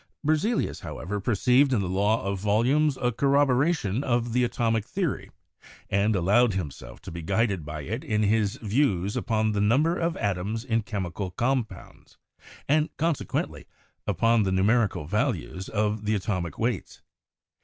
Berzelius, however, perceived in the law of volumes a corroboration of the atomic theory, and allowed himself to be guided by it in his views upon the number of atoms in chemical compounds, and, consequently, upon the nu merical values of the atomic weights.